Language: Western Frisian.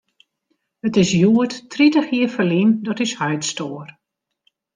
It is hjoed tritich jier ferlyn dat ús heit stoar.